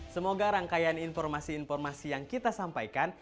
semoga rangkaian informasi informasi yang kita sampaikan